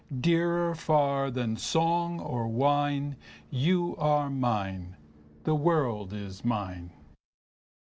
Dearer far than song or wine. You are mine. The world is mine.